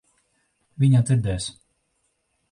Viņa dzirdēs.